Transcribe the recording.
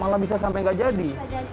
malah bisa sampai nggak jadi